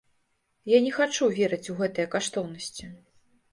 Я не хачу верыць у гэтыя каштоўнасці.